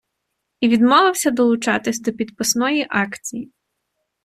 І відмовився долучатися до підписної акції.